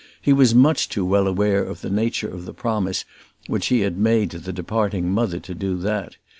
He was much too well aware of the nature of the promise which he had made to the departing mother to do that.